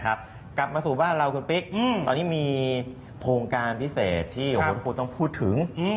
กลับมาสู่บ้านเราคุณปิ๊กตอนนี้มีโครงการพิเศษที่โอ้โหทุกคนต้องพูดถึง